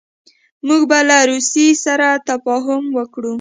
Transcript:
موږ به له روسیې سره تفاهم وکړو.